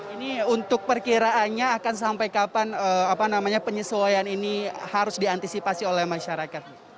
ini untuk perkiraannya akan sampai kapan penyesuaian ini harus diantisipasi oleh masyarakat